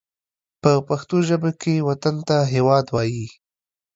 په پښتو ژبه کې وطن ته هېواد وايي